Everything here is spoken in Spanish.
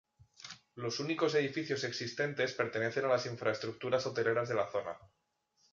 Los únicos edificios existentes pertenecen a las infraestructuras hoteleras de la zona.